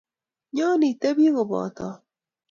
Nyo, itebi kobota.